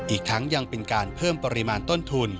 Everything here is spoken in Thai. อีกทั้งยังเป็นการเพิ่มปริมาณต้นทุน